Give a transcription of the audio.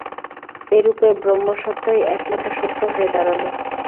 এরূপে ব্রহ্মসত্তাই একমাত্র সত্য হয়ে দাঁড়াল।